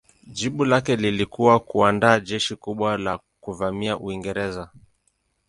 Jibu lake lilikuwa kuandaa jeshi kubwa la kuvamia Uingereza.